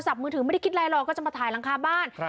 ถึงถึงถึงไม่ได้คิดอะไรหรอกก็จะมาถ่ายรังคาบ้าน